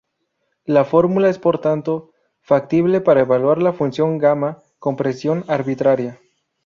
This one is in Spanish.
La fórmula es, por tanto, factible para evaluar la función gamma con precisión arbitraria.